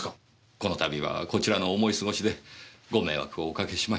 この度はこちらの思い過ごしでご迷惑をおかけしました。